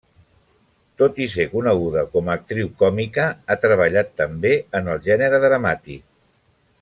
Tot i ser coneguda com a actriu còmica, ha treballat també en el gènere dramàtic.